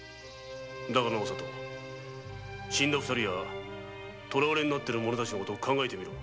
だがなお里死んだ２人や捕らわれの身になっている者たちの事を考えてみろ！